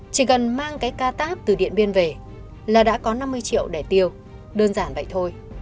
chỉ cần mang cái ca táp từ điện biên về là đã có năm mươi triệu để tiêu đơn giản vậy thôi